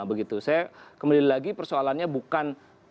saya kembali lagi persoalannya bukan